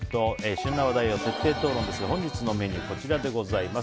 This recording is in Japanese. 旬な話題を徹底討論ですが本日のメニューがこちらです。